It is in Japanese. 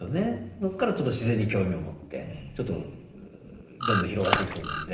そこからちょっと自然に興味を持ってちょっとどんどん広がっていくと思うんで。